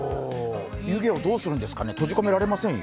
湯気はどうするんですかね、閉じ込められませんよ。